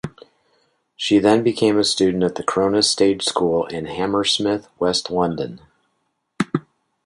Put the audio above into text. She then became a student at the Corona Stage School in Hammersmith, West London.